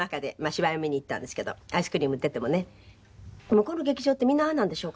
向こうの劇場ってみんなああなんでしょうかね？